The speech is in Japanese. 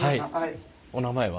お名前は？